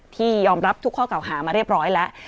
ที่ยอมรับทุกข้อเก่าหามาเรียบร้อยแล้ว